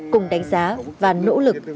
cùng đánh giá và nỗ lực